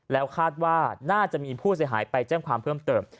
แล้วคาดว่าน่าจะมีผู้เสียหายไปแจ้งความเพิ่มเติม